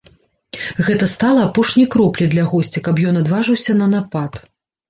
Гэта стала апошняй кропляй для госця, каб ён адважыўся на напад.